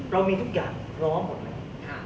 เรามีทุกอย่างพร้อมหมดแล้ว